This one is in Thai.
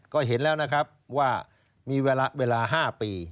ก็เห็นแล้วว่ามีเวลา๕ปี